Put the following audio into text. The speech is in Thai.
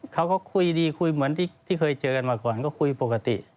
เขาก็คุยดีคุยเหมือนที่เคยเจอกันมาก่อนก็คุยปกติ